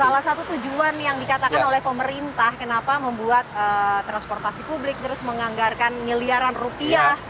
karena salah satu tujuan yang dikatakan oleh pemerintah kenapa membuat transportasi publik terus menganggarkan miliaran rupiah